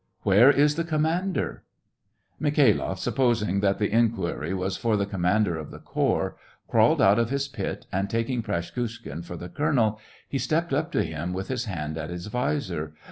"Where is the commander .^" Mikhailoff, supposing that the inquiry was for the commander of the corps, crawled out of his pit, and, taking Praskukhin for the colonel, he stepped up* to him with his hand at his visor.